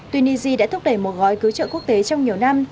tunisia đã thúc đẩy một gói cứu trợ quốc tế trong nhiều năm